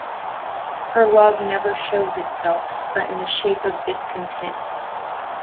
Her love never shows itself but in the shape of discontent.